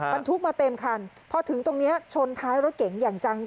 บรรทุกมาเต็มคันพอถึงตรงนี้ชนท้ายรถเก๋งอย่างจัง